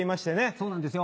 そうなんですよ。